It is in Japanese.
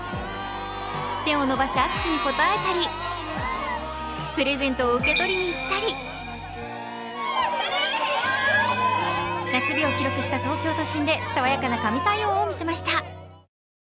手を伸ばし、握手に応えたり、プレゼントを受け取りに行ったり夏日を記録した東京都心で爽やかな神対応を見せました。